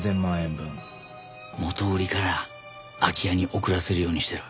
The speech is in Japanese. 元売から空き家に送らせるようにしてる。